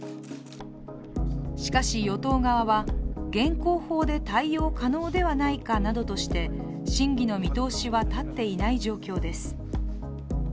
しかし、与党側は現行法で対応可能ではないかなどとして審議の見通しは立っていない状況です。